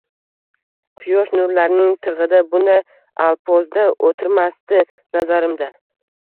Quyosh nurlarining tig`ida bunday alpozda o`tirmasdi, nazarimda